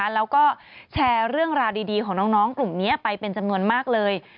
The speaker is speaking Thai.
แล้วก็แชร์เรื่องราวดีของน้องกลุ่มนี้ไปเป็นจำนวนมากเลย